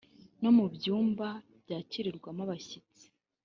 no mu byumba byakirirwamo abashyitsi